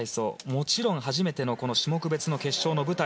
もちろん初めての種目別の決勝の舞台。